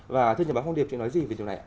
và thưa nhà báo hong diep chị nói gì về điều này ạ